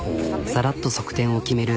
さらっと側転を決める